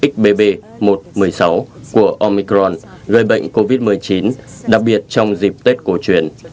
xbb một trăm một mươi sáu của omicron gây bệnh covid một mươi chín đặc biệt trong dịp tết cổ truyền